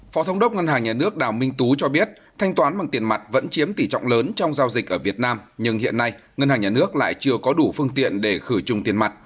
phó thống đốc ngân hàng nhà nước đào minh tú cho biết thanh toán bằng tiền mặt vẫn chiếm tỷ trọng lớn trong giao dịch ở việt nam nhưng hiện nay ngân hàng nhà nước lại chưa có đủ phương tiện để khử trùng tiền mặt